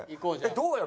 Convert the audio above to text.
どうよ？